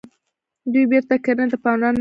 دوی بیرته کرنې ته پاملرنه وکړه.